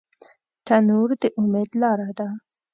تنور د امید لاره ده